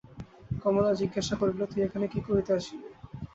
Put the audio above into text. কমলা জিজ্ঞাসা করিল, তুই এখানে কী করিতে আসিলি?